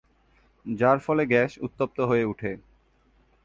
যার ফলে গ্যাস উত্তপ্ত হয়ে উঠে।